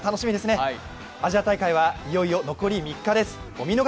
アジア大会はいよいよ残り３日です。